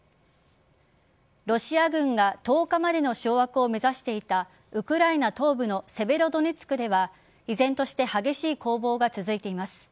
ロシア軍が１０日までの掌握を目指していたウクライナ東部のセベロドネツクでは依然として激しい攻防が続いています。